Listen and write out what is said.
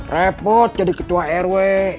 repot jadi ketua rw